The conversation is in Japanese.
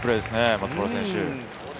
松原選手。